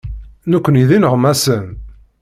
Nekkni d ineɣmasen.